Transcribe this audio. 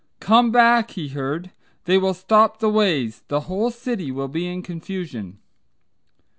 "Come back," he heard. "They will stop the ways. The whole city will be in confusion."